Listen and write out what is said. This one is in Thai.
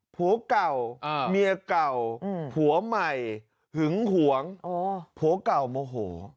ผัวเก่าเมียเก่าผัวใหม่หึงหวงผัวเก่าโมโห